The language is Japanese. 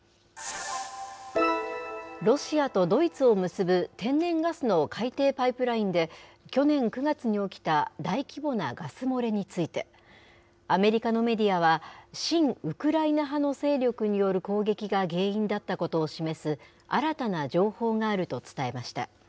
ロシアとドイツを結ぶ天然ガスの海底パイプラインで、去年９月に起きた大規模なガス漏れについて、アメリカのメディアは、親ウクライナ派の勢力による攻撃が原因だったことを示す、新たな情報があると伝えました。